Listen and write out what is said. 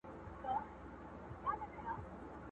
نیکه جانه د هجران لمبو کباب کړم!!